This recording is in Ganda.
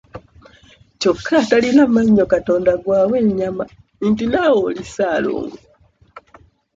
Kyokka atalina mannyo Katonda gw'awa ennyama nti nawe oli ssaalongo!